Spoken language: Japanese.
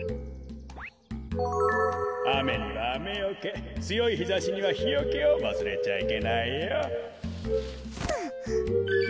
あめにはあめよけつよいひざしにはひよけをわすれちゃいけないよ。